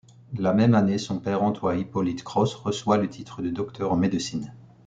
La même année, son père Antoine-Hippolyte Cros reçoit le titre de docteur en médecine.